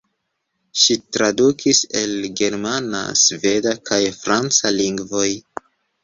Ŝi tradukis el germana, sveda kaj franca lingvoj.